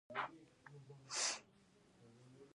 د نالوستي ژبه هم وولسي بلل کېږي.